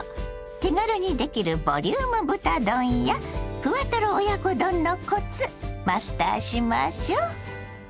手軽にできるボリューム豚丼やふわトロ親子丼のコツマスターしましょう。